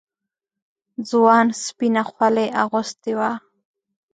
ځوان سپينه خولۍ اغوستې وه.